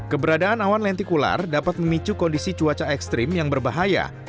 keberadaan awan lentikular dapat memicu kondisi cuaca ekstrim yang berbahaya